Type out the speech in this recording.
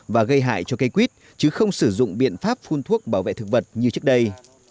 và gây hại cho cây quýt chứ không sử dụng biện pháp phun thuốc bảo vệ thực vật như trước đây